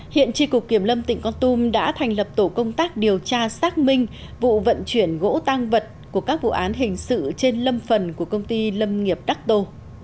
hiện tri cục kiểm lâm tỉnh con tum đã thành lập tổ công tác điều tra xác minh vụ vận chuyển gỗ tăng vật của các vụ án hình sự trên lâm phần của công ty lâm nghiệp đắc tô